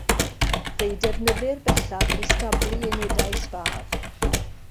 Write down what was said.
Fe'i defnyddir bellach i stablu unedau sbâr.